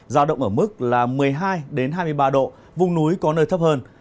giao động ở mức là một mươi hai hai mươi ba độ vùng núi có nơi thấp hơn